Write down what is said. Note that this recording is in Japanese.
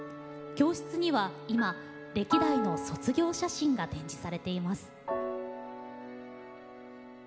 教室には今、歴代の卒業写真が展示されています。